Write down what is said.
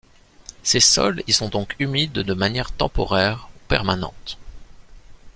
Ces sols y sont donc humides de manière temporaire ou permanente.